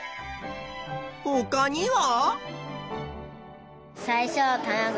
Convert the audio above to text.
ほかには？